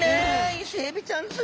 イセエビちゃんす